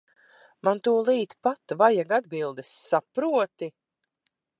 Man tūlīt pat vajag atbildes, saproti.